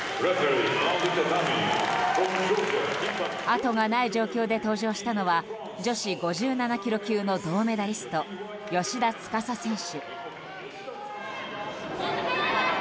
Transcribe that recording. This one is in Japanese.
後がない状況で登場したのは女子５７ｋｇ級の銅メダリスト、芳田司選手。